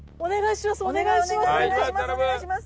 お願いします